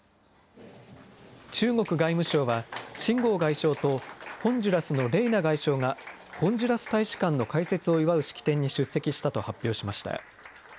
中国外務省は、秦剛外相と、ホンジュラスのレイナ外相がホンジュラス大使館の開設を祝う式典に出席したと発表しました。